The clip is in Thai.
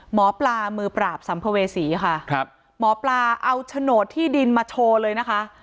หมอปลามือปราบสัมภเวษีค่ะครับหมอปลาเอาโฉนดที่ดินมาโชว์เลยนะคะ